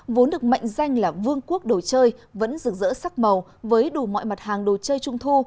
vốn được mệnh danh là vương quốc đồ chơi vẫn rực rỡ sắc màu với đủ mọi mặt hàng đồ chơi trung thu